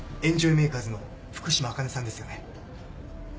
メーカーズの福島あかねさんですよね？